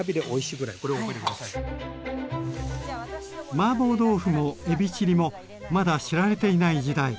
マーボー豆腐もエビチリもまだ知られていない時代。